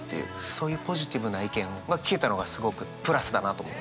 そういうポジティブな意見が聞けたのがすごくプラスだなと思いました。